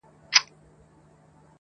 نیمه تنه یې سوځېدلې ده لا شنه پاته ده،